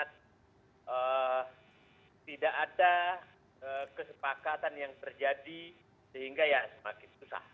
tidak ada kesepakatan yang terjadi sehingga ya semakin susah